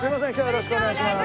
よろしくお願いします。